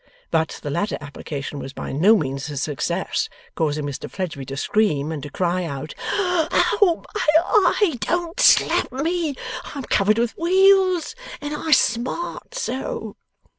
But, the latter application was by no means a success, causing Mr Fledgeby to scream, and to cry out, 'Oh my eye! don't slap me! I'm covered with weales and I smart so!